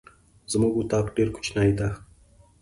زمونږ اطاق ډير کوچنی ده.